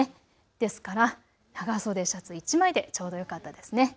ですから長袖シャツ１枚でちょうどよかったですね。